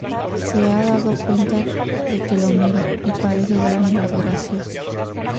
Se ha dado cuenta de que lo miro y parece darme las gracias.